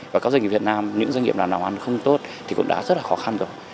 và các doanh nghiệp việt nam những doanh nghiệp làm ăn không tốt thì cũng đã rất là khó khăn rồi